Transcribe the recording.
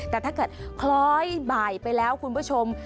แต่ถ้าเกิดคล้อยบ่ายไปแล้วคุณผู้ชม